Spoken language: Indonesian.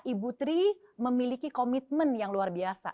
ibu tri memiliki komitmen yang luar biasa